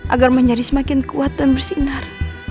agar menjadi semakin kuat dan bersinar